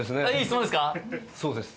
そうです。